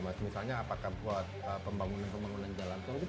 misalnya apakah buat pembangunan pembangunan jalan